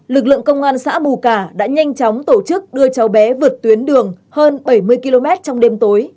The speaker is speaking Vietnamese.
lực lượng công an xã bù cả đã nhanh chóng tổ chức đưa cháu bé vượt tuyến đường hơn bảy mươi km trong đêm tối